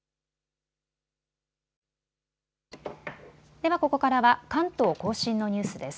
ではここからは関東甲信のニュースです。